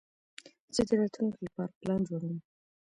زه د راتلونکي لپاره پلان جوړوم.